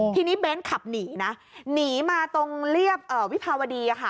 ทีนี้เบ้นขับหนีนะหนีมาตรงเรียบวิภาวดีค่ะ